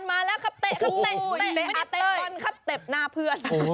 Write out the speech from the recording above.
อาเตะบอลคับเตะหน้าเพื่อน